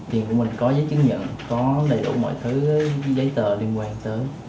thì của mình có giấy chứng nhận có đầy đủ mọi thứ giấy tờ liên quan tới